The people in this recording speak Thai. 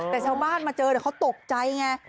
แต่ชาวบ้านมาเจอแต่เขาตกใจไง